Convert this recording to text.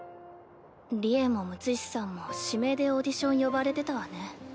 利恵も六石さんも指名でオーディション呼ばれてたわね。